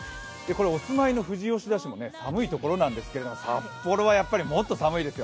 お住まいの富士吉田市も寒いところなんですけれども、札幌はもっと寒いですよ。